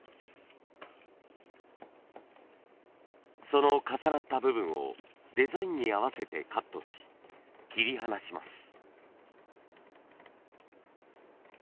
その重なった部分をデザインに合わせてカットし切り離します。